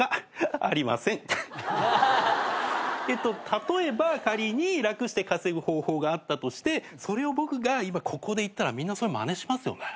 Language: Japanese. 例えば仮に楽して稼ぐ方法があったとしてそれを僕が今ここで言ったらみんなそれまねしますよね。